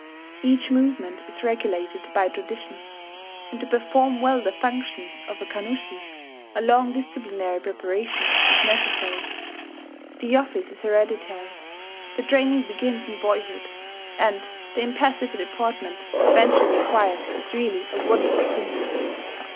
Each movement is regulated by tradition; and to perform well the functions of a Kannushi, a long disciplinary preparation is necessary. The office is hereditary; the training begins in boyhood; and the impassive deportment eventually acquired is really a wonderful thing.